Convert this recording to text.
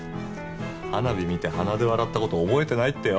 花火見て鼻で笑った事覚えてないってよ。